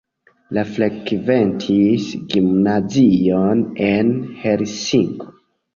Li frekventis gimnazion en Helsinko.